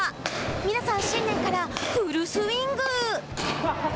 皆さん新年からフルスイング。